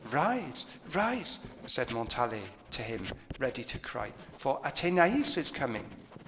"Rise, rise," said Montalais to him, ready to cry, "for Athenais is coming."